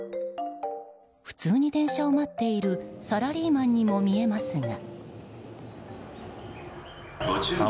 普通に電車を待っているサラリーマンにも見えますが。